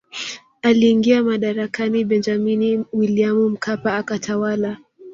Aliingia madarakani Benjamini Williamu Mkapa akatawala